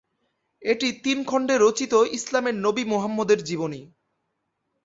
এটি তিন খণ্ডে রচিত ইসলামের নবী মুহাম্মাদের জীবনী।